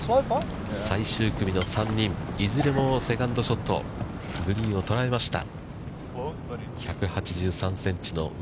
最終組の３人、いずれもセカンドショットグリーンを捉えました。